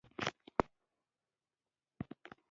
فرمان ساجد استاذ صېب د پاتې کېدو